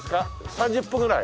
３０分ぐらい？